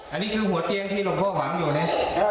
อันนี้คือหัวเตียงที่หลวงพ่อหวังอยู่นะ